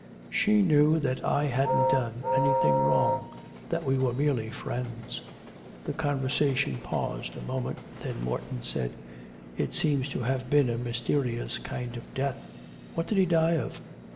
'She knew that I hadn't done anything wrong, that we were merely friends.' The conversation paused a moment, then Morton said: 'It seems to have been a mysterious kind of death. What did he die of?'